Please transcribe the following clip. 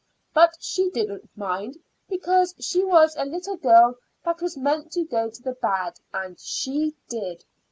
But she didn't mind, because she was a little girl that was meant to go to the bad and she did.